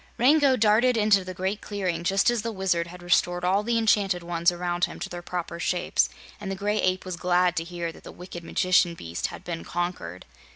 Rango darted into the Great Clearing just as the Wizard had restored all the enchanted ones around him to their proper shapes, and the Gray Ape was glad to hear that the wicked magician beast had been conquered.